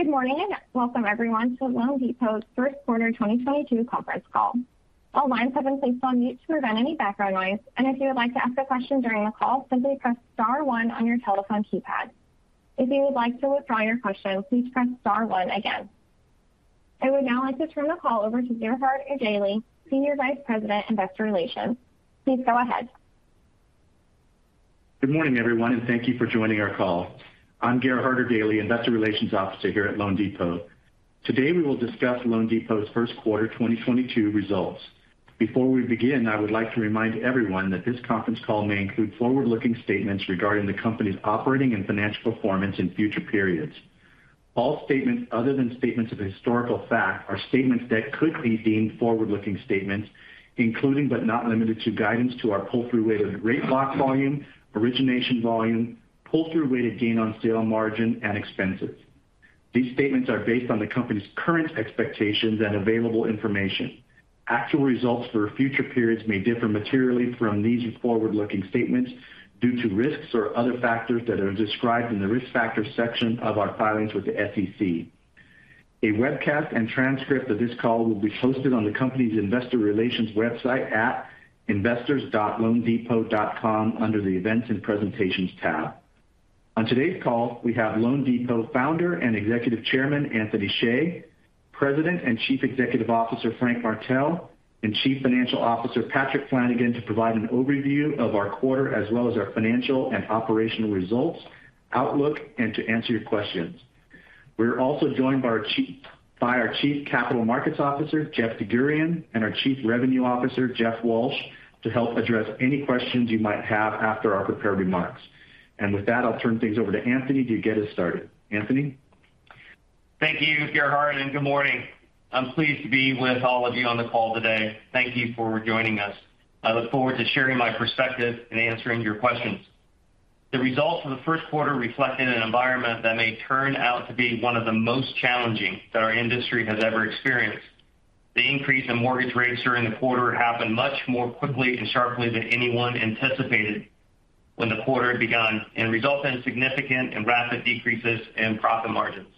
Good morning, and welcome everyone to loanDepot's First Quarter 2022 Conference Call. All lines have been placed on mute to prevent any background noise. If you would like to ask a question during the call, simply press star one on your telephone keypad. If you would like to withdraw your question, please press star one again. I would now like to turn the call over to Gerhard Erdelji, Senior Vice President, Investor Relations. Please go ahead. Good morning, everyone, and thank you for joining our call. I'm Gerhard Erdelji, Investor Relations Officer here at loanDepot. Today, we will discuss loanDepot's first quarter 2022 results. Before we begin, I would like to remind everyone that this conference call may include forward-looking statements regarding the company's operating and financial performance in future periods. All statements other than statements of historical fact are statements that could be deemed forward-looking statements, including but not limited to guidance to our pull-through rate of rate lock volume, origination volume, pull-through rate of gain on sale margin, and expenses. These statements are based on the company's current expectations and available information. Actual results for future periods may differ materially from these forward-looking statements due to risks or other factors that are described in the Risk Factors section of our filings with the SEC. A webcast and transcript of this call will be posted on the company's investor relations website at investors.loandepot.com under the Events and Presentations tab. On today's call, we have loanDepot Founder and Executive Chairman Anthony Hsieh, President and Chief Executive Officer Frank Martell, and Chief Financial Officer Patrick Flanagan, to provide an overview of our quarter as well as our financial and operational results, outlook, and to answer your questions. We're also joined by our Chief Capital Markets Officer, Jeff DerGurahian, and our Chief Revenue Officer, Jeff Walsh, to help address any questions you might have after our prepared remarks. With that, I'll turn things over to Anthony to get us started. Anthony? Thank you, Gerhard, and good morning. I'm pleased to be with all of you on the call today. Thank you for joining us. I look forward to sharing my perspective and answering your questions. The results of the first quarter reflected an environment that may turn out to be one of the most challenging that our industry has ever experienced. The increase in mortgage rates during the quarter happened much more quickly and sharply than anyone anticipated when the quarter had begun and resulted in significant and rapid decreases in profit margins.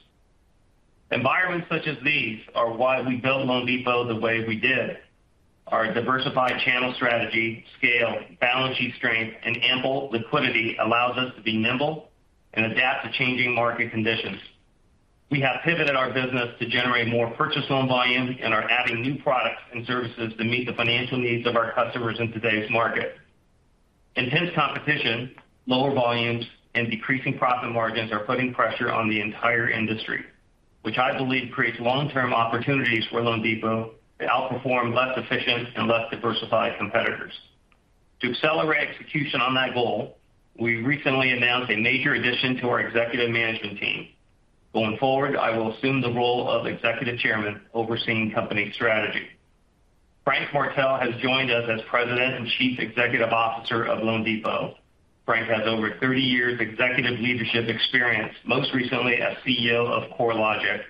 Environments such as these are why we built loanDepot the way we did. Our diversified channel strategy, scale, balance sheet strength, and ample liquidity allows us to be nimble and adapt to changing market conditions. We have pivoted our business to generate more purchase loan volume and are adding new products and services to meet the financial needs of our customers in today's market. Intense competition, lower volumes, and decreasing profit margins are putting pressure on the entire industry, which I believe creates long-term opportunities for loanDepot to outperform less efficient and less diversified competitors. To accelerate execution on that goal, we recently announced a major addition to our executive management team. Going forward, I will assume the role of Executive Chairman overseeing company strategy. Frank Martell has joined us as President and Chief Executive Officer of loanDepot. Frank has over 30 years executive leadership experience, most recently as CEO of CoreLogic,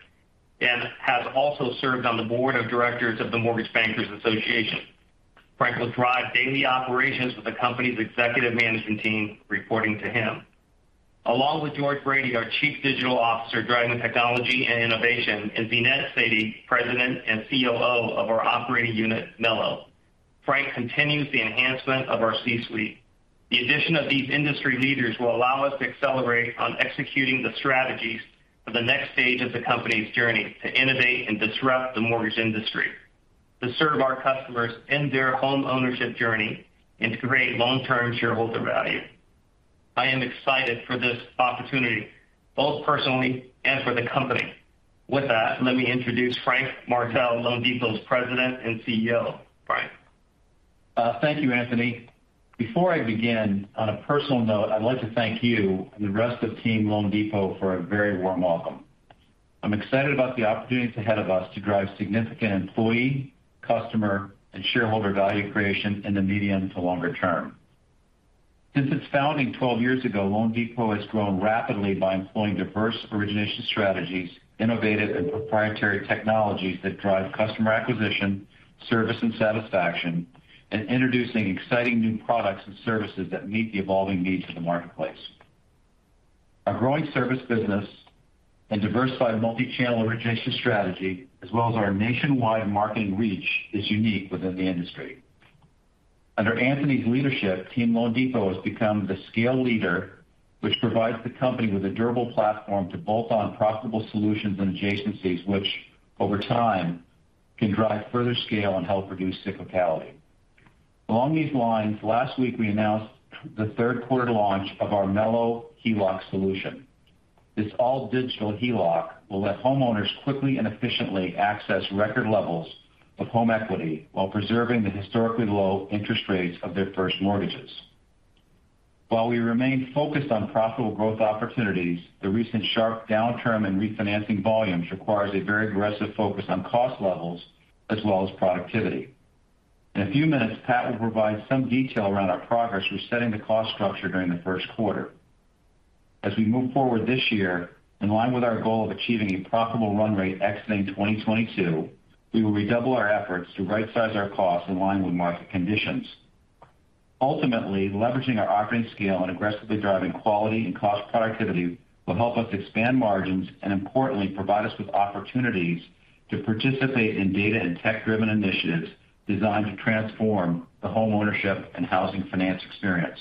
and has also served on the board of directors of the Mortgage Bankers Association. Frank will drive daily operations with the company's executive management team reporting to him. Along with George Brady, our Chief Digital Officer, driving technology and innovation, and Zeanette Sadie, President and COO of our operating unit, Mello. Frank continues the enhancement of our C-suite. The addition of these industry leaders will allow us to accelerate on executing the strategies for the next stage of the company's journey to innovate and disrupt the mortgage industry, to serve our customers in their homeownership journey, and to create long-term shareholder value. I am excited for this opportunity, both personally and for the company. With that, let me introduce Frank Martell, loanDepot's President and CEO. Frank? Thank you, Anthony. Before I begin, on a personal note, I'd like to thank you and the rest of team loanDepot for a very warm welcome. I'm excited about the opportunities ahead of us to drive significant employee, customer, and shareholder value creation in the medium to longer term. Since its founding 12 years ago, loanDepot has grown rapidly by employing diverse origination strategies, innovative and proprietary technologies that drive customer acquisition, service, and satisfaction, and introducing exciting new products and services that meet the evolving needs of the marketplace. Our growing service business and diversified multi-channel origination strategy, as well as our nationwide marketing reach, is unique within the industry. Under Anthony's leadership, team loanDepot has become the scale leader, which provides the company with a durable platform to bolt on profitable solutions and adjacencies which, over time, can drive further scale and help reduce cyclicality. Last week we announced the third quarter launch of our mello HELOC solution. This all-digital HELOC will let homeowners quickly and efficiently access record levels of home equity while preserving the historically low interest rates of their first mortgages. While we remain focused on profitable growth opportunities, the recent sharp downturn in refinancing volumes requires a very aggressive focus on cost levels as well as productivity. In a few minutes, Pat will provide some detail around our progress resetting the cost structure during the first quarter. As we move forward this year, in line with our goal of achieving a profitable run rate exiting 2022, we will redouble our efforts to rightsize our costs in line with market conditions. Ultimately, leveraging our operating scale and aggressively driving quality and cost productivity will help us expand margins and importantly, provide us with opportunities to participate in data and tech-driven initiatives designed to transform the homeownership and housing finance experience.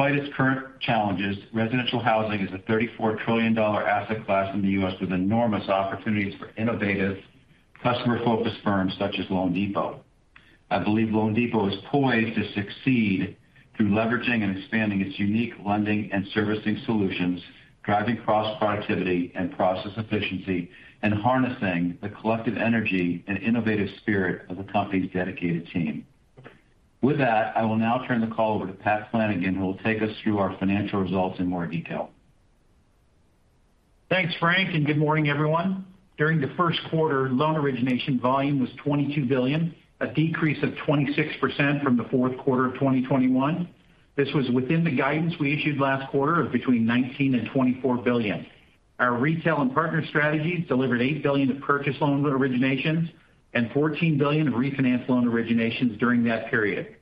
Despite its current challenges, residential housing is a $34 trillion asset class in the US with enormous opportunities for innovative customer-focused firms such as loanDepot. I believe loanDepot is poised to succeed through leveraging and expanding its unique lending and servicing solutions, driving cross-productivity and process efficiency, and harnessing the collective energy and innovative spirit of the company's dedicated team. With that, I will now turn the call over to Pat Flanagan, who will take us through our financial results in more detail. Thanks, Frank, and good morning everyone. During the first quarter, loan origination volume was $22 billion, a decrease of 26% from the fourth quarter of 2021. This was within the guidance we issued last quarter of between $19 and 24 billion. Our retail and partner strategies delivered $8 billion of purchase loan originations and $14 billion of refinance loan originations during that period.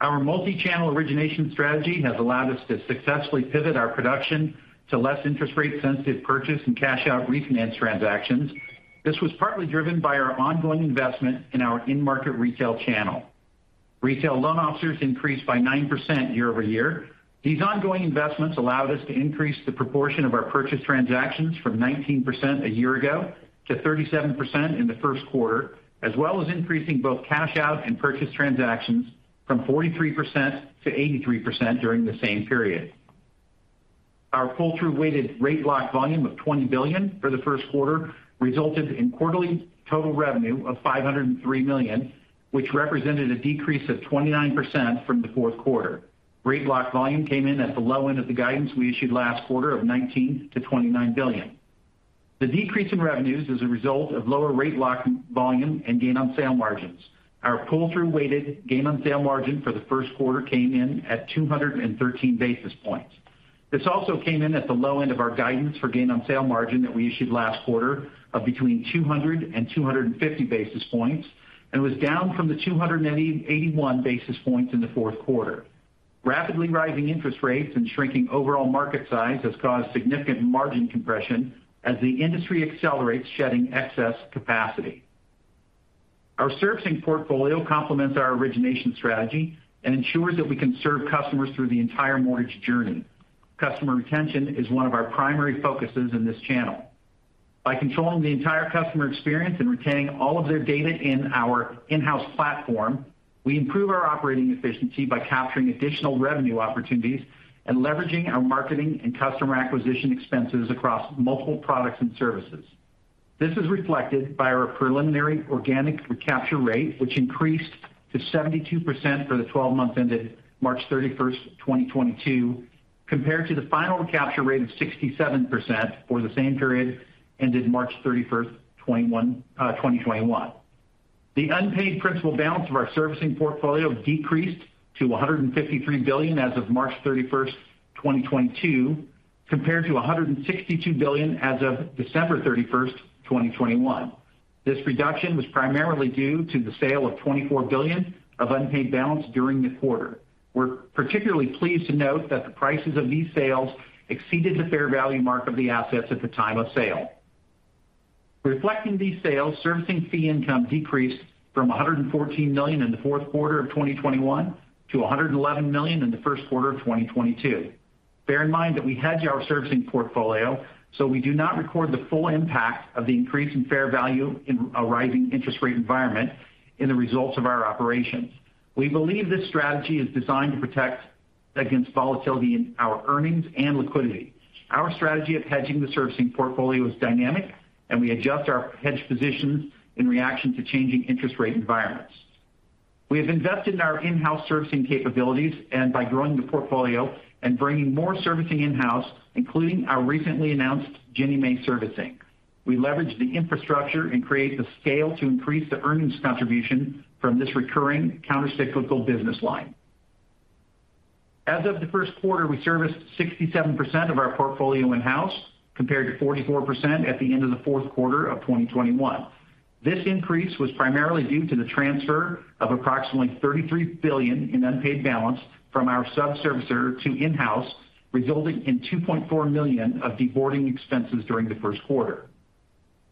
Our multi-channel origination strategy has allowed us to successfully pivot our production to less interest rate sensitive purchase and cash out refinance transactions. This was partly driven by our ongoing investment in our in-market retail channel. Retail loan officers increased by 9% year-over-year. These ongoing investments allowed us to increase the proportion of our purchase transactions from 19% a year ago to 37% in the first quarter, as well as increasing both cash out and purchase transactions from 43% to 83% during the same period. Our pull-through weighted rate lock volume of $20 billion for the first quarter resulted in quarterly total revenue of $503 million, which represented a decrease of 29% from the fourth quarter. Rate lock volume came in at the low end of the guidance we issued last quarter of $19 to 29 billion. The decrease in revenues is a result of lower rate lock volume and gain on sale margins. Our pull-through weighted gain on sale margin for the first quarter came in at 213 basis points. This also came in at the low end of our guidance for gain on sale margin that we issued last quarter of between 200 and 250 basis points, and was down from the 281 basis points in the fourth quarter. Rapidly rising interest rates and shrinking overall market size has caused significant margin compression as the industry accelerates shedding excess capacity. Our servicing portfolio complements our origination strategy and ensures that we can serve customers through the entire mortgage journey. Customer retention is one of our primary focuses in this channel. By controlling the entire customer experience and retaining all of their data in our in-house platform, we improve our operating efficiency by capturing additional revenue opportunities and leveraging our marketing and customer acquisition expenses across multiple products and services. This is reflected by our preliminary organic recapture rate, which increased to 72% for the 12-month period ended March 31, 2022, compared to the final recapture rate of 67% for the same period ended March 31, 2021. The unpaid principal balance of our servicing portfolio decreased to $153 billion as of March 31, 2022, compared to $162 billion as of December 31, 2021. This reduction was primarily due to the sale of $24 billion of unpaid balance during the quarter. We're particularly pleased to note that the prices of these sales exceeded the fair value mark of the assets at the time of sale. Reflecting these sales, servicing fee income decreased from $114 million in the fourth quarter of 2021 to $111 million in the first quarter of 2022. Bear in mind that we hedge our servicing portfolio, so we do not record the full impact of the increase in fair value in a rising interest rate environment in the results of our operations. We believe this strategy is designed to protect against volatility in our earnings and liquidity. Our strategy of hedging the servicing portfolio is dynamic, and we adjust our hedge positions in reaction to changing interest rate environments. We have invested in our in-house servicing capabilities and by growing the portfolio and bringing more servicing in-house, including our recently announced Ginnie Mae servicing. We leverage the infrastructure and create the scale to increase the earnings contribution from this recurring counter-cyclical business line. As of the first quarter, we serviced 67% of our portfolio in-house, compared to 44% at the end of the fourth quarter of 2021. This increase was primarily due to the transfer of approximately $33 billion in unpaid balance from our sub-servicer to in-house, resulting in $2.4 million of deboarding expenses during the first quarter.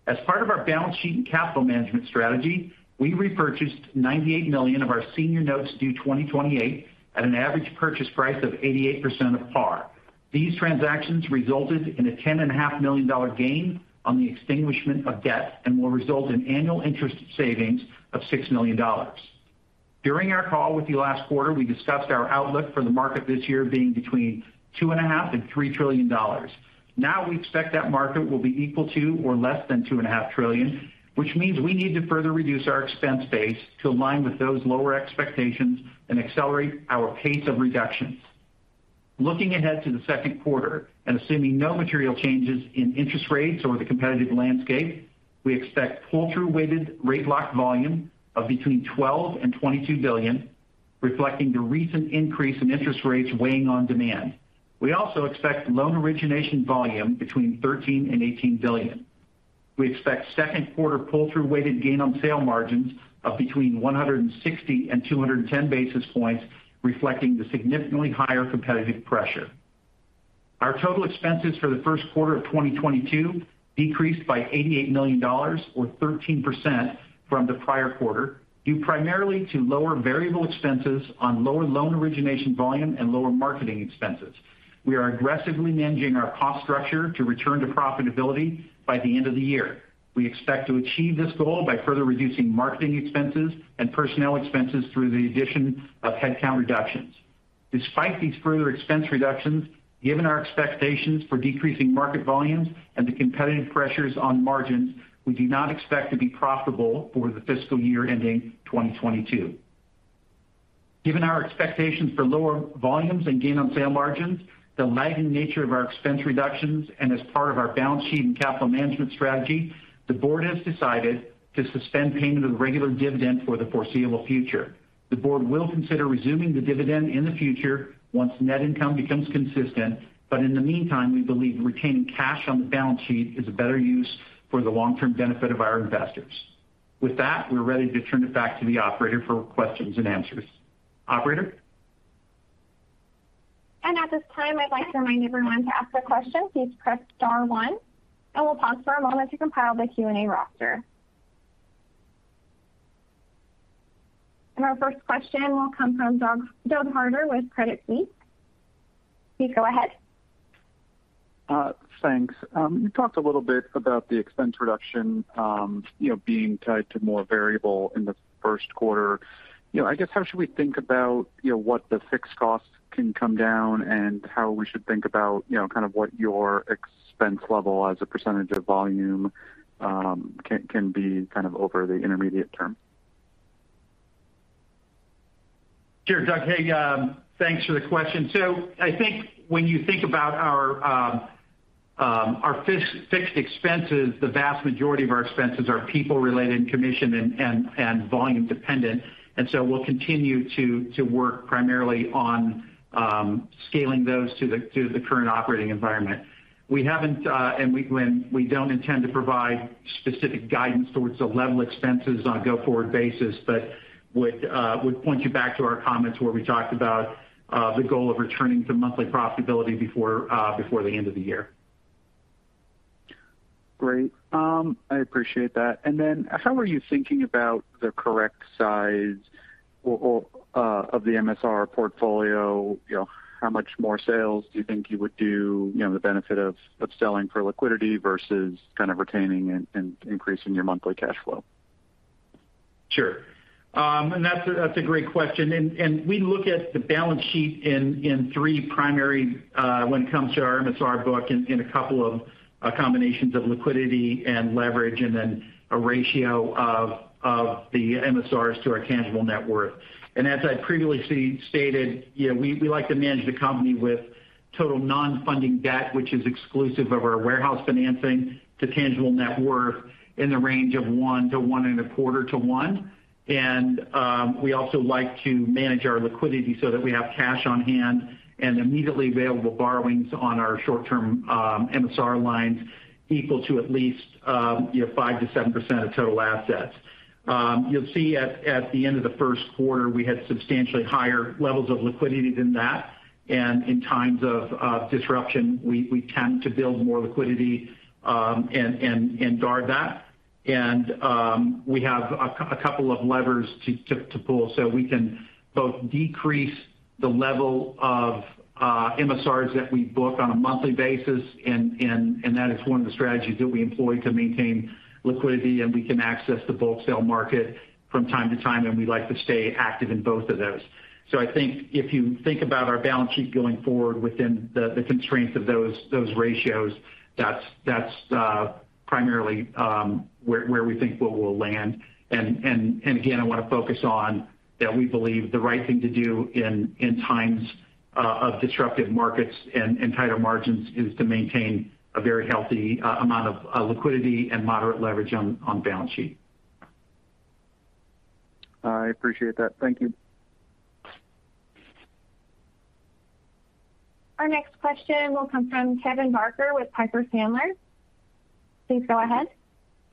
As part of our balance sheet and capital management strategy, we repurchased $98 million of our senior notes due 2028 at an average purchase price of 88% of par. These transactions resulted in a $10.5 million gain on the extinguishment of debt and will result in annual interest savings of $6 million. During our call with you last quarter, we discussed our outlook for the market this year being between $2.5 and 3 trillion. Now, we expect that market will be equal to or less than $2.5 trillion, which means we need to further reduce our expense base to align with those lower expectations and accelerate our pace of reductions. Looking ahead to the second quarter and assuming no material changes in interest rates or the competitive landscape, we expect pull-through weighted rate lock volume of between $12 and 22 billion, reflecting the recent increase in interest rates weighing on demand. We also expect loan origination volume between $13 and 18 billion. We expect second quarter pull-through weighted gain on sale margins of between 160 and 210 basis points, reflecting the significantly higher competitive pressure. Our total expenses for the first quarter of 2022 decreased by $88 million or 13% from the prior quarter, due primarily to lower variable expenses on lower loan origination volume and lower marketing expenses. We are aggressively managing our cost structure to return to profitability by the end of the year. We expect to achieve this goal by further reducing marketing expenses and personnel expenses through the addition of headcount reductions. Despite these further expense reductions, given our expectations for decreasing market volumes and the competitive pressures on margins, we do not expect to be profitable for the fiscal year ending 2022. Given our expectations for lower volumes and gain on sale margins, the lagging nature of our expense reductions, and as part of our balance sheet and capital management strategy, the board has decided to suspend payment of the regular dividend for the foreseeable future. The board will consider resuming the dividend in the future once net income becomes consistent. In the meantime, we believe retaining cash on the balance sheet is a better use for the long-term benefit of our investors. With that, we're ready to turn it back to the operator for questions and answers. Operator? At this time, I'd like to remind everyone to ask a question, please press star one. We'll pause for a moment to compile the Q&A roster. Our first question will come from Doug Harter with Credit Suisse. Please go ahead. Thanks. You talked a little bit about the expense reduction, you know, being tied to more variable in the first quarter. You know, I guess, how should we think about, you know, what the fixed costs can come down and how we should think about, you know, kind of what your expense level as a percentage of volume can be kind of over the intermediate term? Sure, Doug. Hey, thanks for the question. I think when you think about our fixed expenses, the vast majority of our expenses are people related commission and volume dependent. We'll continue to work primarily on scaling those to the current operating environment. We don't intend to provide specific guidance toward the level of expenses on a go-forward basis, but would point you back to our comments where we talked about the goal of returning to monthly profitability before the end of the year. Great. I appreciate that. How are you thinking about the correct size or of the MSR portfolio? You know, how much more sales do you think you would do, you know, the benefit of selling for liquidity versus kind of retaining and increasing your monthly cash flow? Sure. That's a great question. We look at the balance sheet in three primary when it comes to our MSR book in a couple of combinations of liquidity and leverage, and then a ratio of the MSRs to our tangible net worth. As I previously stated, you know, we like to manage the company with total non-funding debt, which is exclusive of our warehouse financing to tangible net worth in the range of 1 to 1.25 to 1. We also like to manage our liquidity so that we have cash on hand and immediately available borrowings on our short-term MSR lines equal to at least you know 5% to 7% of total assets. You'll see at the end of the first quarter, we had substantially higher levels of liquidity than that. In times of disruption, we tend to build more liquidity and guard that. We have a couple of levers to pull, so we can both decrease the level of MSRs that we book on a monthly basis. That is one of the strategies that we employ to maintain liquidity, and we can access the bulk sale market from time to time, and we like to stay active in both of those. I think if you think about our balance sheet going forward within the constraints of those ratios, that's primarily where we think we'll land. Again, I want to focus on that we believe the right thing to do in times of disruptive markets and tighter margins is to maintain a very healthy amount of liquidity and moderate leverage on balance sheet. I appreciate that. Thank you. Our next question will come from Kevin Barker with Piper Sandler. Please go ahead.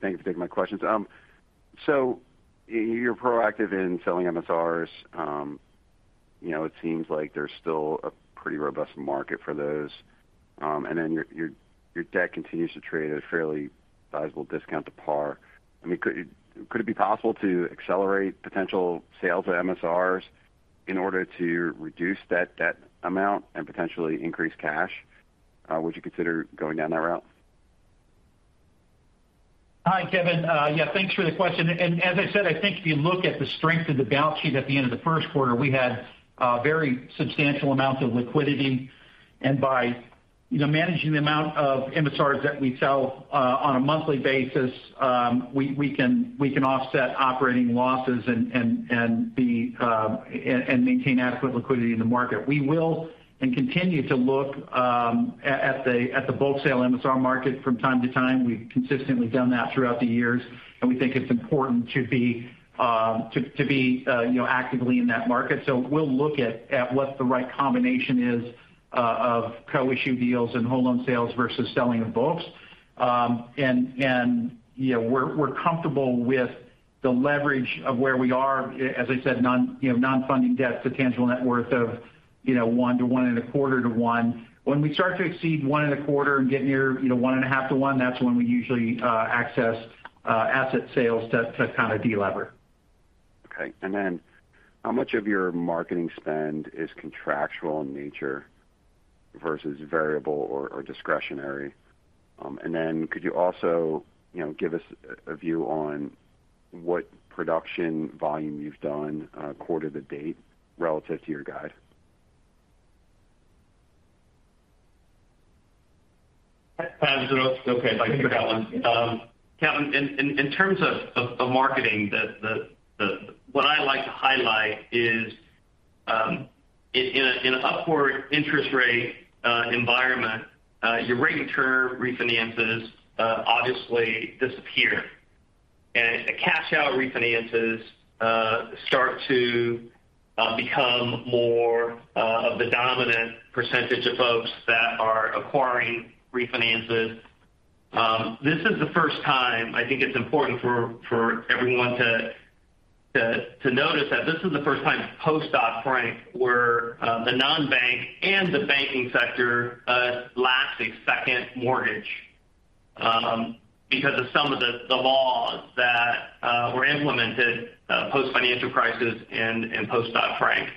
Thank you for taking my questions. You're proactive in selling MSRs. You know, it seems like there's still a pretty robust market for those. Your debt continues to trade at a fairly sizable discount to par. I mean, could it be possible to accelerate potential sales of MSRs in order to reduce that debt amount and potentially increase cash? Would you consider going down that route? Hi, Kevin. Yeah, thanks for the question. As I said, I think if you look at the strength of the balance sheet at the end of the first quarter, we had a very substantial amount of liquidity. By, you know, managing the amount of MSRs that we sell on a monthly basis, we can offset operating losses and maintain adequate liquidity in the market. We will continue to look at the bulk sale MSR market from time to time. We've consistently done that throughout the years, and we think it's important to be, you know, actively in that market. We'll look at what the right combination is of co-issue deals and whole loan sales versus selling in bulks. You know, we're comfortable with the leverage of where we are, as I said, non-funding debt to tangible net worth of, you know, 1-to-1 and 1.25-to-1. When we start to exceed 1.25 and get near, you know, 1.5-to-1, that's when we usually access asset sales to kind of delever. Okay. How much of your marketing spend is contractual in nature versus variable or discretionary? Could you also, you know, give us a view on what production volume you've done quarter to date relative to your guide? Okay, I can take that one. Kevin, in terms of marketing, what I like to highlight is in an upward interest rate environment, your rate term refinances obviously disappear. The cash out refinances start to become more of the dominant percentage of folks that are acquiring refinances. This is the first time I think it's important for everyone to notice that this is the first time post Dodd-Frank, where the non-bank and the banking sector lack a second mortgage because of some of the laws that were implemented post financial crisis and post Dodd-Frank.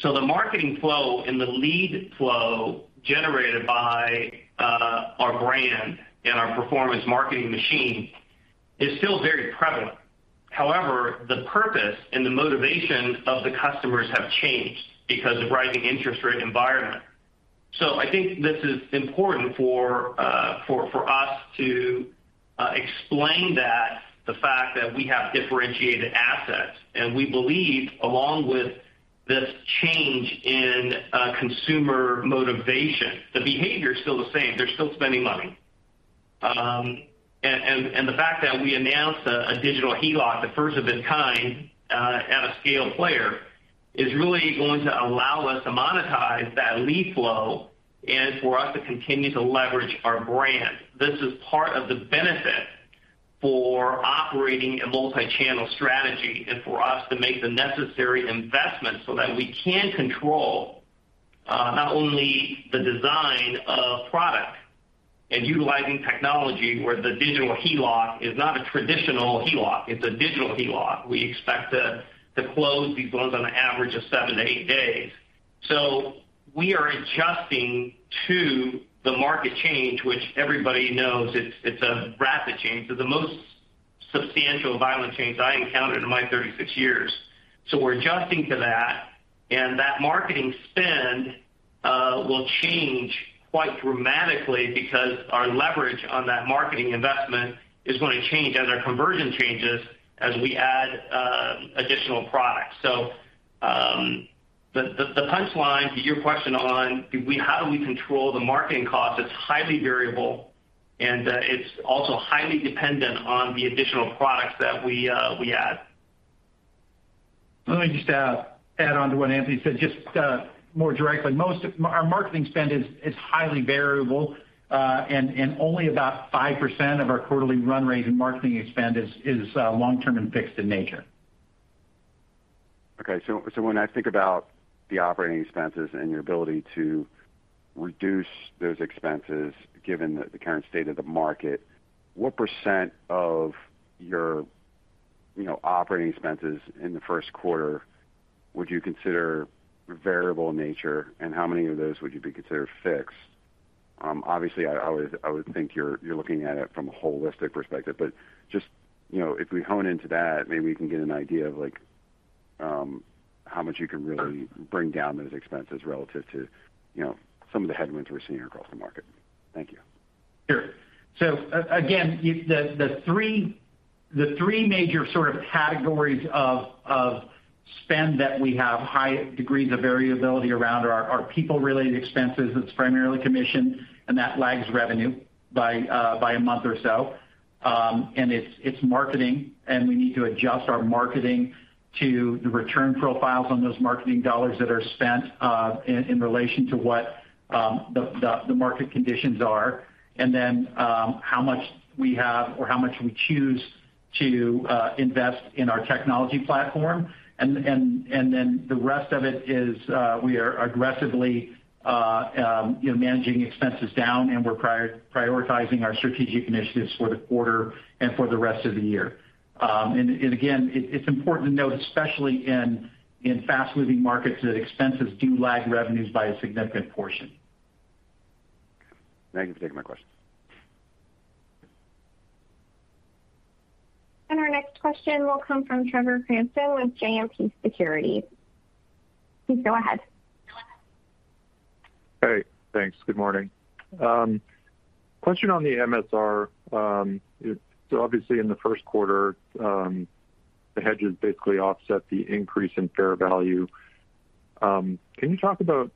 The marketing flow and the lead flow generated by our brand and our performance marketing machine is still very prevalent. However, the purpose and the motivation of the customers have changed because of rising interest rate environment. I think this is important for us to explain that the fact that we have differentiated assets, and we believe along with this change in consumer motivation, the behavior is still the same. They're still spending money. The fact that we announced a digital HELOC, the first of its kind, at a scale player, is really going to allow us to monetize that lead flow and for us to continue to leverage our brand. This is part of the benefit for operating a multichannel strategy and for us to make the necessary investments so that we can control not only the design of product and utilizing technology, where the digital HELOC is not a traditional HELOC. It's a digital HELOC. We expect to close these loans on an average of 7 to 8 days. We are adjusting to the market change, which everybody knows it's a rapid change. The most substantial violent change I encountered in my 36 years. We're adjusting to that, and that marketing spend will change quite dramatically because our leverage on that marketing investment is going to change as our conversion changes as we add additional products. The punch line to your question on how do we control the marketing cost? It's highly variable, and it's also highly dependent on the additional products that we add. Let me just add on to what Anthony said, just more directly. Our marketing spend is highly variable, and only about 5% of our quarterly run rate and marketing spend is long-term and fixed in nature. Okay. When I think about the operating expenses and your ability to reduce those expenses, given the current state of the market, what % of your operating expenses in the first quarter would you consider variable in nature, and how much of those would you consider fixed? Obviously, I would think you're looking at it from a holistic perspective. Just, you know, if we hone into that, maybe we can get an idea of like how much you can really bring down those expenses relative to, you know, some of the headwinds we're seeing across the market. Thank you. Sure. Again, the three major sort of categories of spend that we have high degrees of variability around are our people related expenses. It's primarily commission, and that lags revenue by a month or so. And it's marketing, and we need to adjust our marketing to the return profiles on those marketing dollars that are spent in relation to what the market conditions are. Then how much we have or how much we choose to invest in our technology platform. And then the rest of it is we are aggressively you know managing expenses down, and we're prioritizing our strategic initiatives for the quarter and for the rest of the year. Again, it's important to note, especially in fast-moving markets, that expenses do lag revenues by a significant portion. Thank you for taking my questions. Our next question will come from Trevor Cranston with JMP Securities. Please go ahead. Hey, thanks. Good morning. Question on the MSR. Obviously in the first quarter, the hedges basically offset the increase in fair value. Can you talk about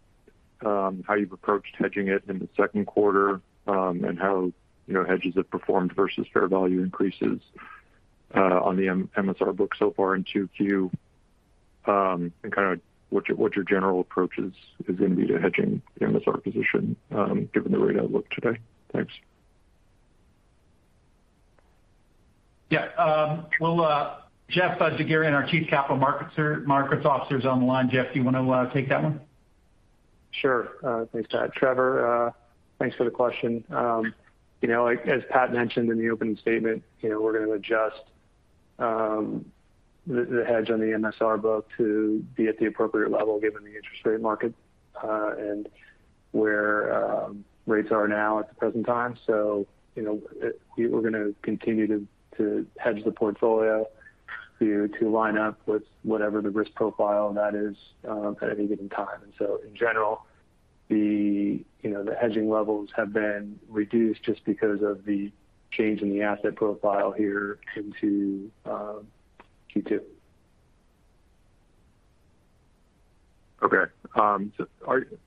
how you've approached hedging it in the second quarter, and how, you know, hedges have performed versus fair value increases on the MSR book so far in Q2? Kind of what your general approach is going to be to hedging the MSR position given the rate outlook today? Thanks. Jeff DerGurahian, our Chief Capital Markets Officer, is on the line. Jeff, do you want to take that one? Sure. Thanks, Pat. Trevor, thanks for the question. You know, like as Pat mentioned in the opening statement, you know, we're going to adjust the hedge on the MSR book to be at the appropriate level given the interest rate market and where rates are now at the present time. You know, we're going to continue to hedge the portfolio to line up with whatever the risk profile that is at any given time. In general, you know, the hedging levels have been reduced just because of the change in the asset profile here into Q2.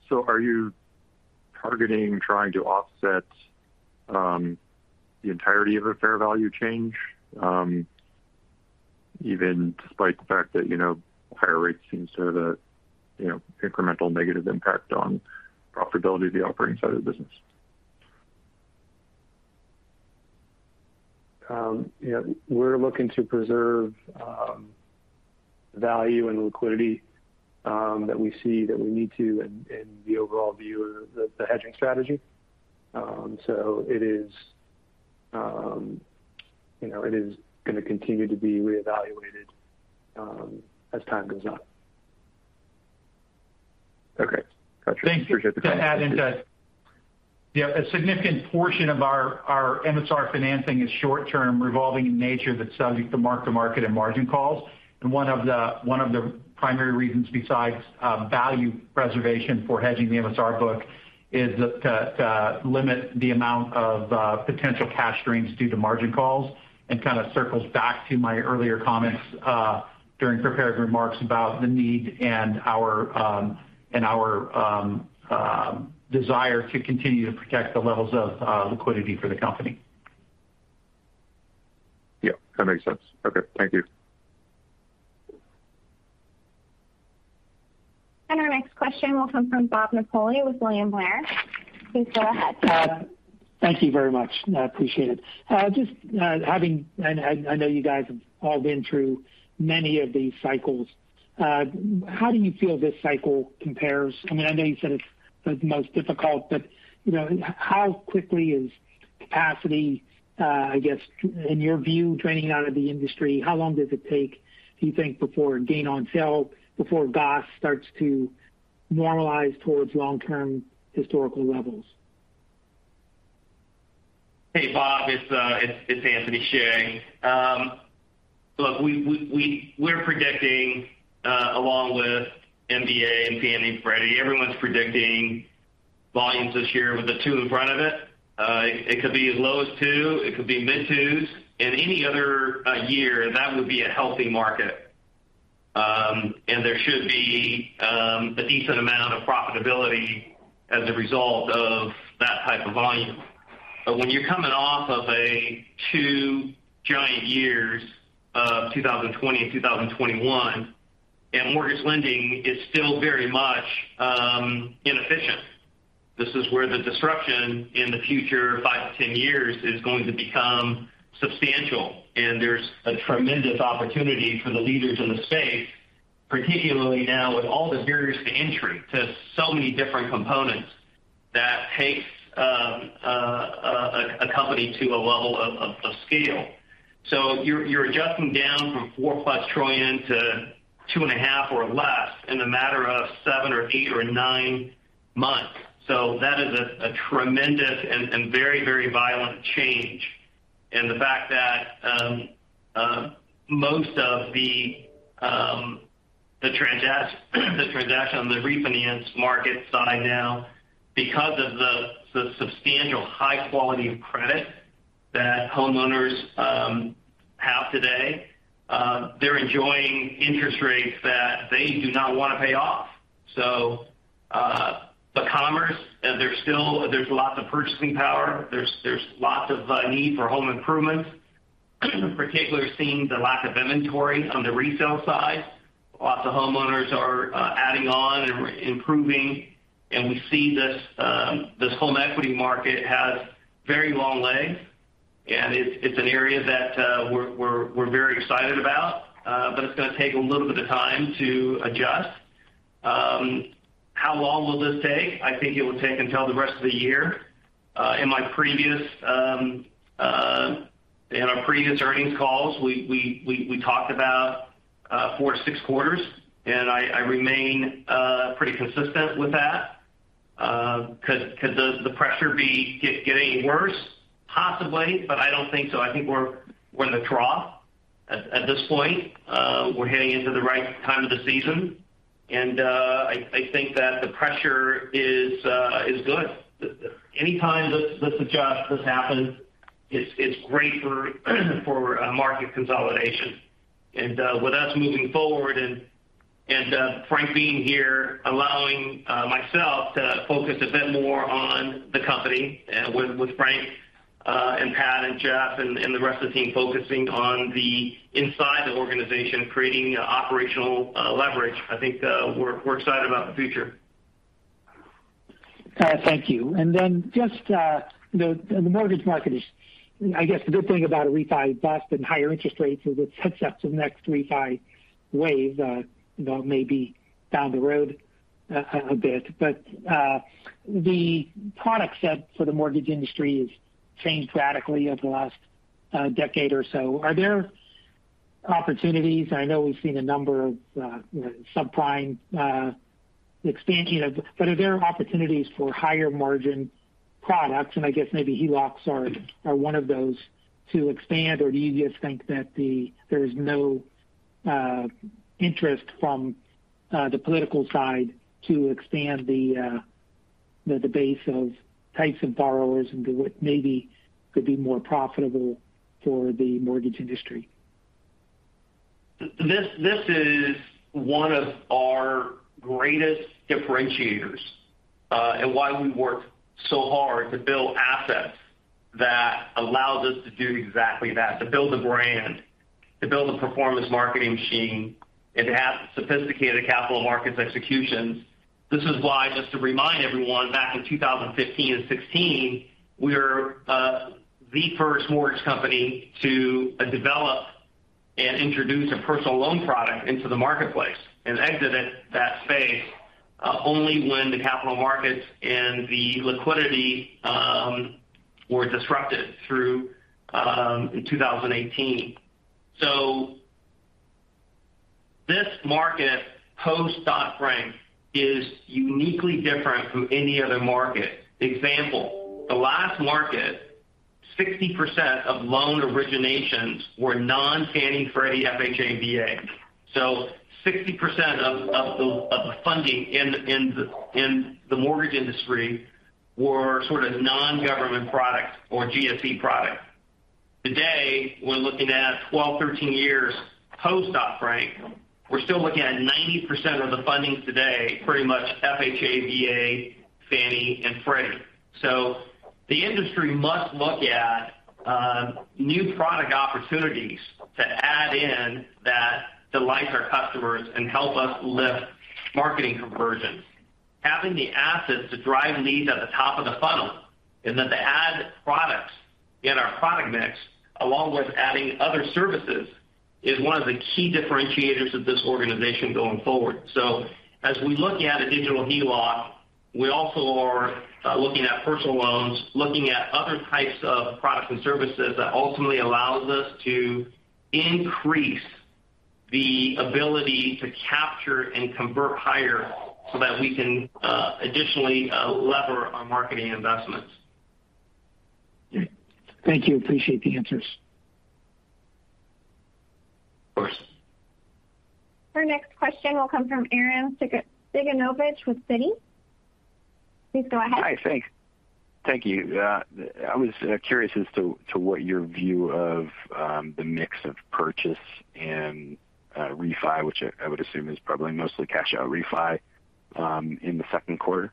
Are you targeting trying to offset the entirety of a fair value change, even despite the fact that, you know, higher rates seem to have a, you know, incremental negative impact on profitability of the operating side of the business? Yeah, we're looking to preserve value and liquidity that we see that we need to in the overall view of the hedging strategy. You know, it is going to continue to be reevaluated as time goes on. Okay. Gotcha. Thank you. Appreciate the comment. A significant portion of our MSR financing is short-term revolving in nature that's subject to mark-to-market and margin calls. One of the primary reasons besides value preservation for hedging the MSR book is to limit the amount of potential cash streams due to margin calls and kind of circles back to my earlier comments during prepared remarks about the need and our desire to continue to protect the levels of liquidity for the company. Yeah, that makes sense. Okay. Thank you. Our next question will come from Bob Napoli with William Blair. Please go ahead. Thank you very much. I appreciate it. I know you guys have all been through many of these cycles. How do you feel this cycle compares? I mean, I know you said it's the most difficult. You know, how quickly is capacity, I guess, in your view, draining out of the industry? How long does it take, do you think, before gain on sale, before GOS starts to normalize towards long-term historical levels? Hey, Bob, it's Anthony Hsieh. Look, we're predicting along with MBA and Fannie and Freddie, everyone's predicting volumes this year with a 2 in front of it. It could be as low as 2, it could be mid-2s. In any other year, that would be a healthy market. There should be a decent amount of profitability as a result of that type of volume. When you're coming off of 2 giant years of 2020 and 2021, and mortgage lending is still very much inefficient. This is where the disruption in the future 5 to 10 years is going to become substantial. There's a tremendous opportunity for the leaders in the space, particularly now with all the barriers to entry to so many different components that takes a company to a level of scale. You're adjusting down from $4+ to 2.5 trillion or less in a matter of 7 or 8 or 9 months. That is a tremendous and very violent change. The fact that most of the transaction on the refinance market side now, because of the substantial high quality of credit that homeowners have today, they're enjoying interest rates that they do not want to pay off. Consumers, there's still lots of purchasing power. There's lots of need for home improvements. In particular, seeing the lack of inventory on the resale side. Lots of homeowners are adding on and improving, and we see this home equity market has very long legs. It's an area that we're very excited about. It's going to take a little bit of time to adjust. How long will this take? I think it will take until the rest of the year. In our previous earnings calls, we talked about four to six quarters, and I remain pretty consistent with that. Could the pressure be getting worse? Possibly, but I don't think so. I think we're in a trough at this point. We're heading into the right time of the season. I think that the pressure is good. Anytime this adjusts, this happens, it's great for market consolidation. With us moving forward and Frank being here, allowing myself to focus a bit more on the company with Frank and Pat and Jeff and the rest of the team focusing on the inside the organization, creating operational leverage. I think we're excited about the future. Thank you. Just the mortgage market is, I guess the good thing about a refi bust and higher interest rates is it sets up the next refi wave, you know, maybe down the road a bit. The product set for the mortgage industry has changed radically over the last decade or so. Are there opportunities? I know we've seen a number of you know, subprime expansion. Are there opportunities for higher margin products? I guess maybe HELOCs are one of those to expand. Do you just think that there is no interest from the political side to expand the base of types of borrowers into what maybe could be more profitable for the mortgage industry? This is one of our greatest differentiators, and why we work so hard to build assets that allows us to do exactly that. To build a brand, to build a performance marketing machine, and to have sophisticated capital markets executions. This is why, just to remind everyone, back in 2015 and 2016, we were the first mortgage company to develop and introduce a personal loan product into the marketplace and exited that space only when the capital markets and the liquidity were disrupted through in 2018. This market post-Dodd-Frank is uniquely different from any other market. Example, the last market, 60% of loan originations were non-Fannie, Freddie, FHA, VA. 60% of the funding in the mortgage industry were sort of non-government products or GSE products. Today, we're looking at 12 to 13 years post-Dodd-Frank. We're still looking at 90% of the fundings today pretty much FHA, VA, Fannie and Freddie. The industry must look at new product opportunities to add in that delights our customers and help us lift marketing conversions. Having the assets to drive leads at the top of the funnel and then to add products in our product mix, along with adding other services, is one of the key differentiators of this organization going forward. As we look at a digital HELOC, we also are looking at personal loans, looking at other types of products and services that ultimately allows us to increase the ability to capture and convert higher so that we can additionally leverage our marketing investments. Great. Thank you. Appreciate the answers. Of course. Our next question will come from Arren Cyganovich with Citi. Please go ahead. Hi. Thanks. Thank you. I was curious as to what your view of the mix of purchase and refi, which I would assume is probably mostly cash out refi, in the second quarter?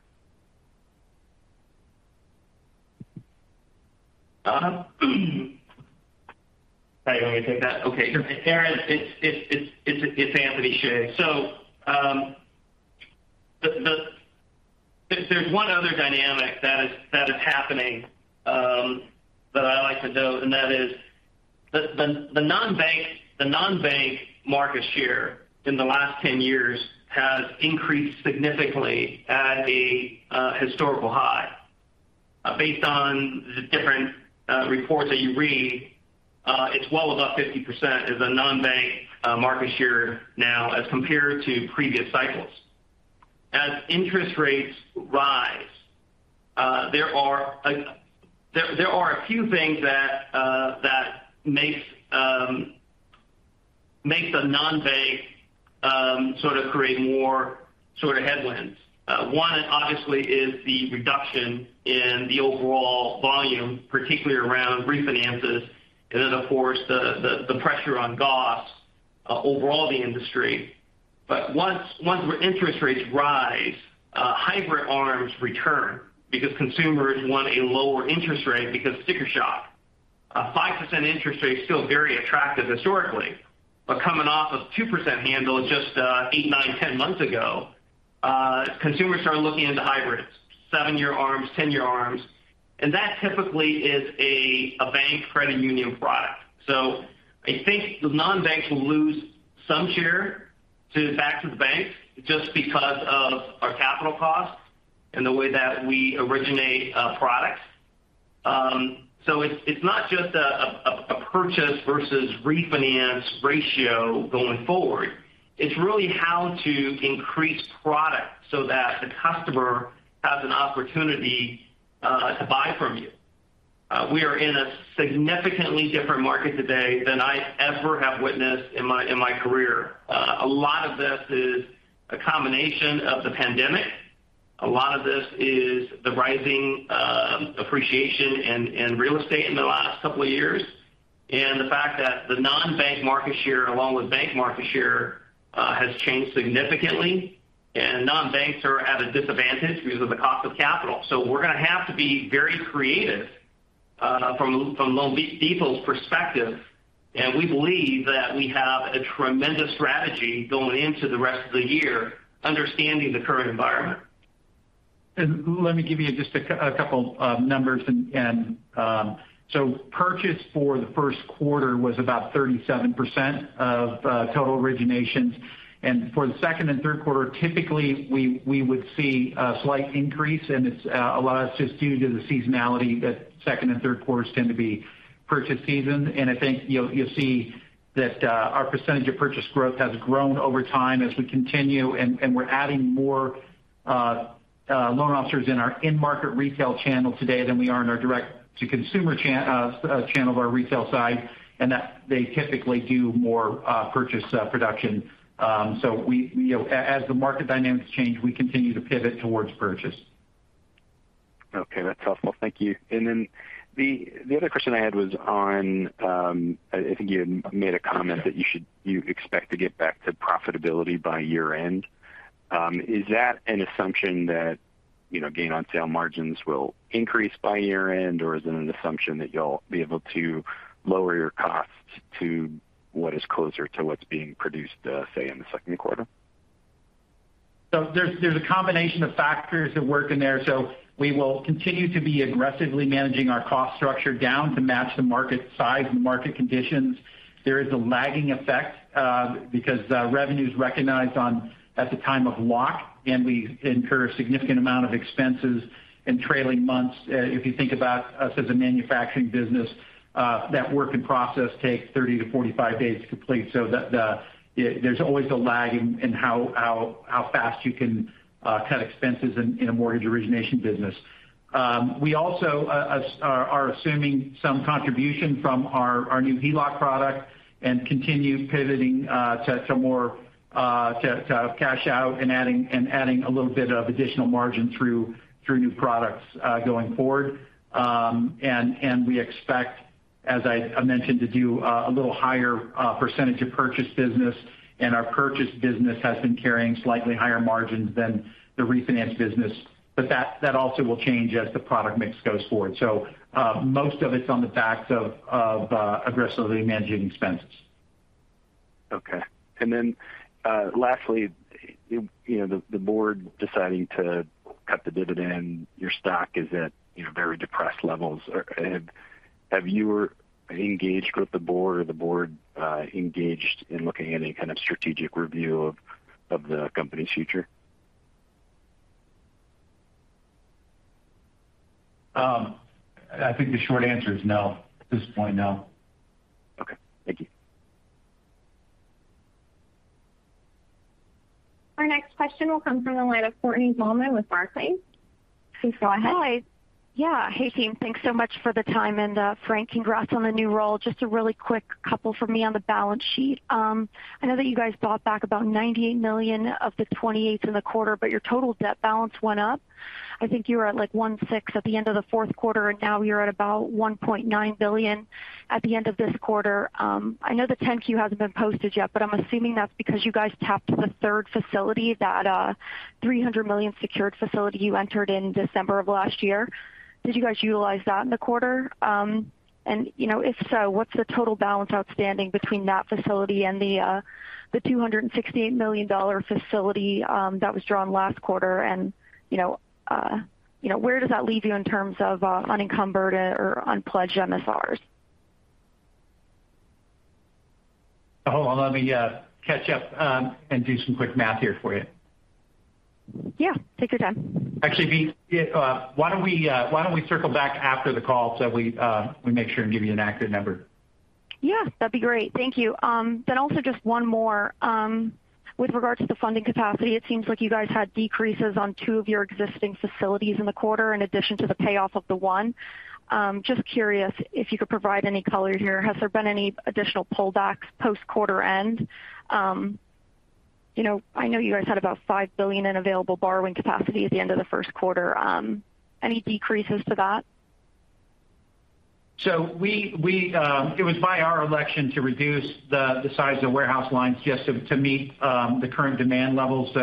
Sorry, you want me to take that? Okay. Sure. Arren, it's Anthony Hsieh. There's one other dynamic that is happening that I like to note, and that is the non-bank market share in the last 10 years has increased significantly at a historical high. Based on the different reports that you read, it's well above 50% is a non-bank market share now as compared to previous cycles. As interest rates rise, there are a few things that makes the non-bank sort of create more sort of headwinds. One obviously is the reduction in the overall volume, particularly around refinances. Then of course the pressure on costs overall the industry. Once when interest rates rise, hybrid ARMs return because consumers want a lower interest rate because sticker shock. A 5% interest rate is still very attractive historically, but coming off a 2% handle just eight, nine, ten months ago, consumers are looking into hybrids, seven-year ARMs, 10-year ARMs, and that typically is a bank credit union product. I think the non-banks will lose some share to back to the banks just because of our capital costs and the way that we originate products. It's not just a purchase versus refinance ratio going forward. It's really how to increase product so that the customer has an opportunity to buy from you. We are in a significantly different market today than I ever have witnessed in my career. A lot of this is a combination of the pandemic. A lot of this is the rising appreciation in real estate in the last couple of years. The fact that the non-bank market share, along with bank market share, has changed significantly. Non-banks are at a disadvantage because of the cost of capital. We're gonna have to be very creative from loanDepot's perspective. We believe that we have a tremendous strategy going into the rest of the year, understanding the current environment. Let me give you just a couple numbers. Purchase for the first quarter was about 37% of total originations. For the second and third quarter, typically, we would see a slight increase, and it's a lot of it just due to the seasonality that second and third quarters tend to be purchase season. I think you'll see that our percentage of purchase growth has grown over time as we continue. We're adding more loan officers in our in-market retail channel today than we are in our direct-to-consumer channel of our retail side, and that they typically do more purchase production. We, you know, as the market dynamics change, we continue to pivot towards purchase. Okay, that's helpful. Thank you. The other question I had was on, I think you made a comment that you expect to get back to profitability by year-end. Is that an assumption that, you know, gain on sale margins will increase by year-end, or is it an assumption that you'll be able to lower your costs to what is closer to what's being produced, say in the second quarter? There's a combination of factors at work in there. We will continue to be aggressively managing our cost structure down to match the market size and market conditions. There is a lagging effect, because revenue's recognized at the time of lock, and we incur a significant amount of expenses in trailing months. If you think about us as a manufacturing business, that work in process takes 30 to 45 days to complete. There's always a lag in how fast you can cut expenses in a mortgage origination business. We also are assuming some contribution from our new HELOC product and continue pivoting to more cash out and adding a little bit of additional margin through new products going forward. We expect, as I mentioned, to do a little higher percentage of purchase business, and our purchase business has been carrying slightly higher margins than the refinance business. That also will change as the product mix goes forward. Most of it's on the back of aggressively managing expenses. Okay. Lastly, you know, the board deciding to cut the dividend, your stock is at, you know, very depressed levels. Have you were engaged with the board or the board engaged in looking at any kind of strategic review of the company's future? I think the short answer is no. At this point, no. Okay. Thank you. Our next question will come from the line of Courtney Bahlman with Barclays. Please go ahead. Hi. Yeah. Hey, team. Thanks so much for the time. Frank, congrats on the new role. Just a really quick couple from me on the balance sheet. I know that you guys bought back about $98 million of the 2028 in the quarter, but your total debt balance went up. I think you were at, like, $1.6 billion at the end of the fourth quarter, and now you're at about $1.9 billion at the end of this quarter. I know the 10-Q hasn't been posted yet, but I'm assuming that's because you guys tapped the third facility, that three hundred million secured facility you entered in December of last year. Did you guys utilize that in the quarter? You know, if so, what's the total balance outstanding between that facility and the $268 million facility that was drawn last quarter? You know, where does that leave you in terms of unencumbered or unpledged MSRs? Hold on, let me catch up and do some quick math here for you. Yeah. Take your time. Actually, B, why don't we circle back after the call so that we make sure and give you an accurate number? Yeah. That'd be great. Thank you. Also just one more. With regards to the funding capacity, it seems like you guys had decreases on two of your existing facilities in the quarter, in addition to the payoff of the one. Just curious if you could provide any color here. Has there been any additional pullbacks post-quarter end? You know, I know you guys had about $5 billion in available borrowing capacity at the end of the first quarter. Any decreases to that? It was by our election to reduce the size of the warehouse lines just to meet the current demand levels.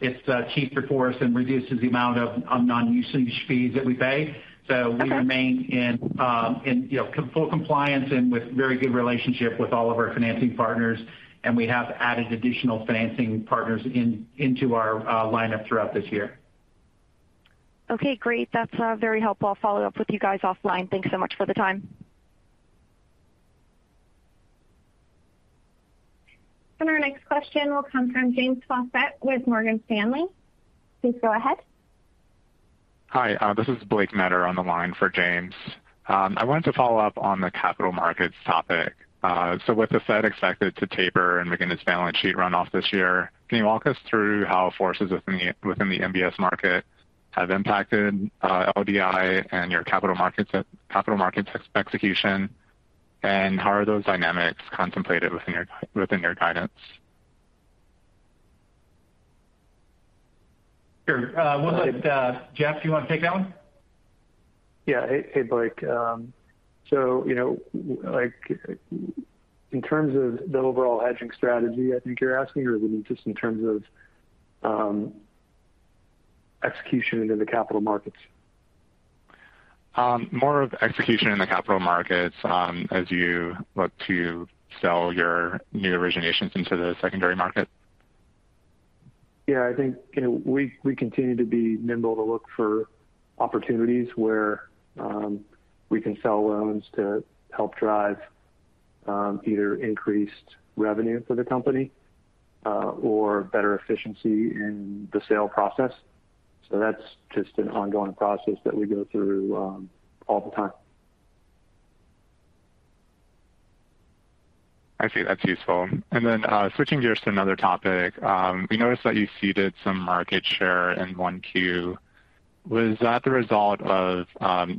It's cheaper for us and reduces the amount of non-usage fees that we pay. We remain in you know full compliance and with very good relationship with all of our financing partners, and we have added additional financing partners into our lineup throughout this year. Okay, great. That's very helpful. I'll follow up with you guys offline. Thanks so much for the time. Our next question will come from James Faucette with Morgan Stanley. Please go ahead. Hi, this is Blake Munger on the line for James. I wanted to follow up on the capital markets topic. With the Fed expected to taper and begin its balance sheet runoff this year, can you walk us through how forces within the MBS market have impacted LDI and your capital markets execution? How are those dynamics contemplated within your guidance? Sure. One second. Jeff, do you want to take that one? Hey, Blake. So, you know, in terms of the overall hedging strategy, I think you're asking, or was it just in terms of execution into the capital markets? More of execution in the capital markets, as you look to sell your new originations into the secondary market. Yeah, I think, you know, we continue to be nimble to look for opportunities where we can sell loans to help drive either increased revenue for the company or better efficiency in the sale process. That's just an ongoing process that we go through all the time. I see. That's useful. And then, switching gears to another topic. We noticed that you ceded some market share in one Q. Was that the result of,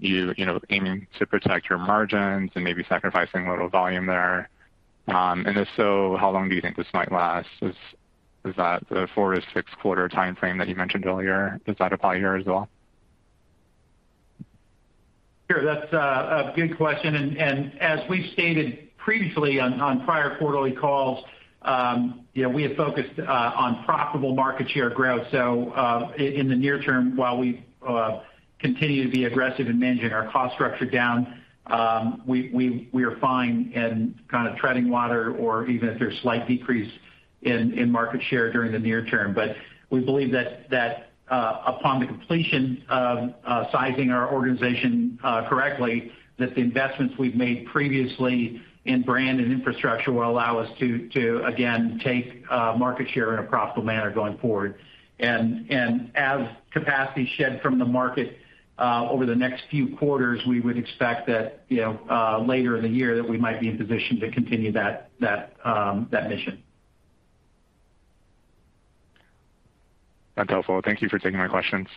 you know, aiming to protect your margins and maybe sacrificing a little volume there? If so, how long do you think this might last? Is that the 4 to 6 quarter timeframe that you mentioned earlier, does that apply here as well? Sure. That's a good question. As we've stated previously on prior quarterly calls, you know, we have focused on profitable market share growth. In the near term, while we continue to be aggressive in managing our cost structure down, we are fine in kind of treading water or even if there's slight decrease in market share during the near term. We believe that upon the completion of sizing our organization correctly, the investments we've made previously in brand and infrastructure will allow us to again take market share in a profitable manner going forward. As capacity shed from the market over the next few quarters, we would expect that you know later in the year that we might be in position to continue that mission. That's helpful. Thank you for taking my questions.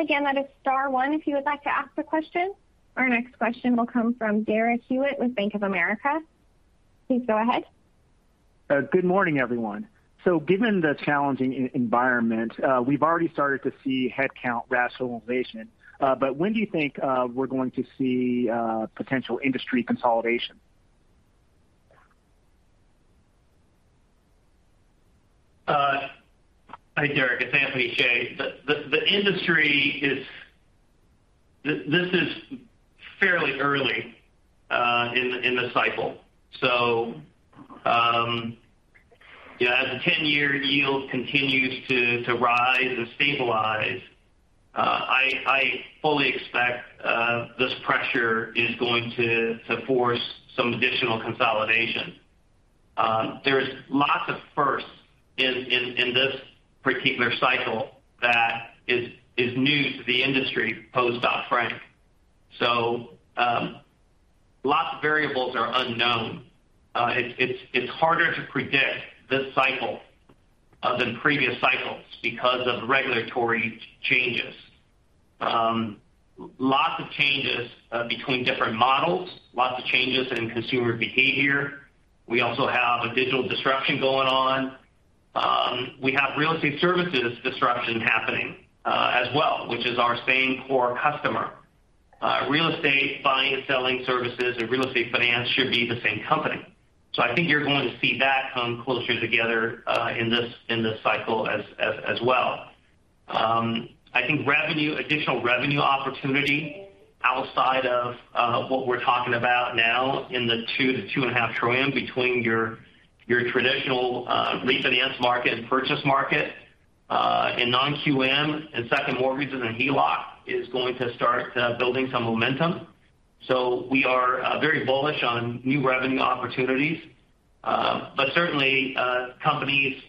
Again, that is star one if you would like to ask a question. Our next question will come from Derek Hewett with Bank of America. Please go ahead. Good morning, everyone. Given the challenging economic environment, we've already started to see headcount rationalization. When do you think we're going to see potential industry consolidation? Hi, Derek. It's Anthony Hsieh. The industry is. This is fairly early in the cycle. You know, as the 10-year yield continues to rise and stabilize, I fully expect this pressure is going to force some additional consolidation. There's lots of firsts in this particular cycle that is new to the industry post Dodd-Frank. Lots of variables are unknown. It's harder to predict this cycle than previous cycles because of regulatory changes. Lots of changes between different models. Lots of changes in consumer behavior. We also have a digital disruption going on. We have real estate services disruption happening as well, which is our same core customer. Real estate buying and selling services and real estate finance should be the same company. I think you're going to see that come closer together in this cycle as well. I think additional revenue opportunity outside of what we're talking about now in the $2 to 2.5 trillion between your traditional refinance market and purchase market in non-QM and second mortgages and HELOC is going to start building some momentum. We are very bullish on new revenue opportunities. Certainly, companies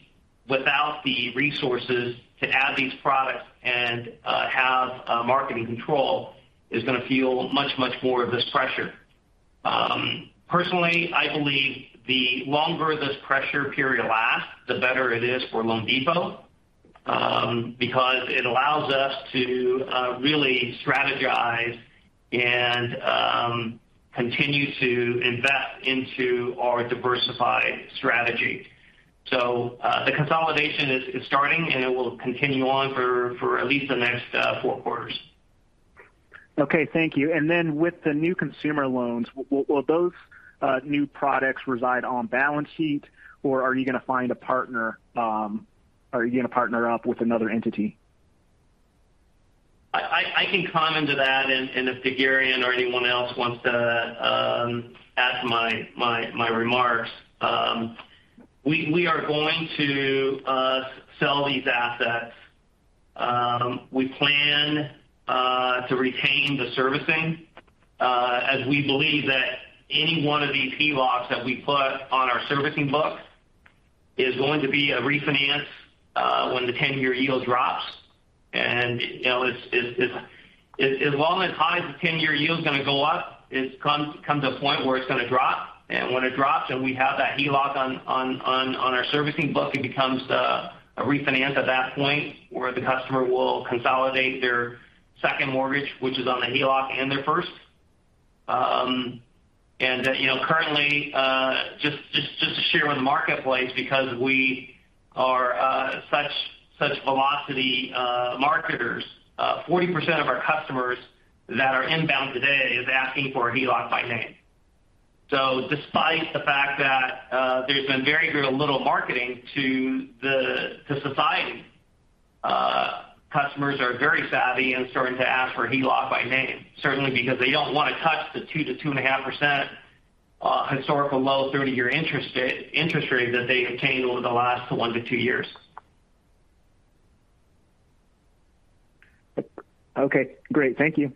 without the resources to add these products and have marketing control is gonna feel much more of this pressure. Personally, I believe the longer this pressure period lasts, the better it is for loanDepot, because it allows us to really strategize and continue to invest into our diversified strategy. The consolidation is starting, and it will continue on for at least the next four quarters. Okay. Thank you. With the new consumer loans, will those new products reside on balance sheet, or are you gonna find a partner, are you gonna partner up with another entity? I can comment on that. If DerGurahian or anyone else wants to add to my remarks. We are going to sell these assets. We plan to retain the servicing as we believe that any one of these HELOCs that we put on our servicing book is going to be a refinance when the 10-year yield drops. You know, as high as the 10-year yield is gonna go up, it's come to a point where it's gonna drop. When it drops, and we have that HELOC on our servicing book, it becomes a refinance at that point where the customer will consolidate their second mortgage, which is on the HELOC and their first. You know, currently, just to share with the marketplace because we are such velocity marketers, 40% of our customers that are inbound today is asking for HELOC by name. Despite the fact that there's been very little marketing to the society, customers are very savvy and starting to ask for HELOC by name. Certainly because they don't wanna touch the 2% to 2.5% historical low 30-year interest rate that they obtained over the last 1 to 2 years. Okay, great. Thank you.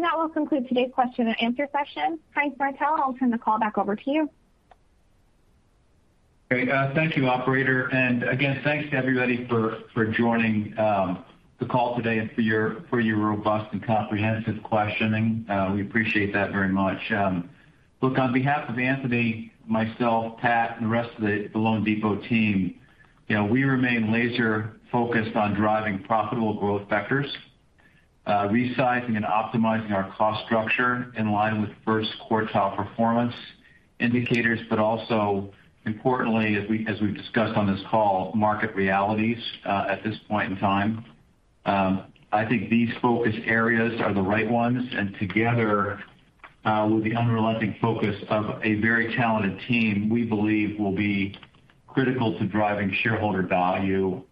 That will conclude today's question and answer session. Frank Martell, I'll turn the call back over to you. Great. Thank you, operator. And again, thanks to everybody for joining the call today and for your robust and comprehensive questioning. We appreciate that very much. Look, on behalf of Anthony, myself, Pat, and the rest of the loanDepot team, you know, we remain laser focused on driving profitable growth vectors, resizing and optimizing our cost structure in line with first quartile performance indicators, but also importantly, as we've discussed on this call, market realities at this point in time. I think these focus areas are the right ones, and together with the unrelenting focus of a very talented team, we believe will be critical to driving shareholder value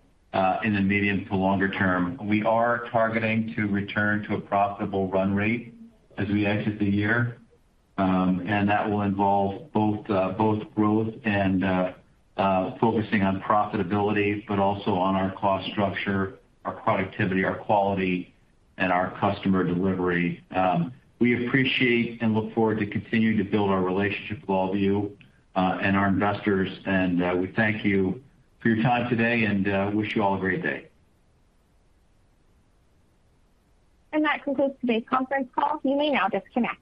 in the medium to longer term. We are targeting to return to a profitable run rate as we exit the year. That will involve both growth and focusing on profitability, but also on our cost structure, our productivity, our quality, and our customer delivery. We appreciate and look forward to continuing to build our relationship with all of you and our investors. We thank you for your time today and wish you all a great day. That concludes today's conference call. You may now disconnect.